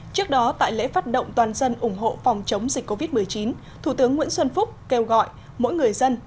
trước đó tại lễ phát động toàn dân ủng hộ phòng chống dịch covid một mươi chín thủ tướng nguyễn xuân phúc kêu gọi mỗi người dân